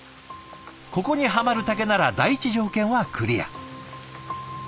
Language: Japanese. ここにはまる竹なら第１条件はクリア。